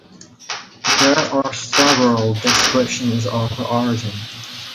There are several descriptions of her origin.